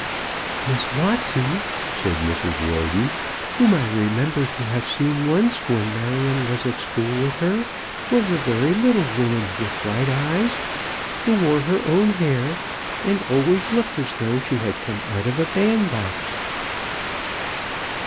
"Miss Watson," said Mrs. Roden, "whom I remember to have seen once when Marion was at school with her, was a very little woman, with bright eyes, who wore her own hair, and always looked as though she had come out of a bandbox."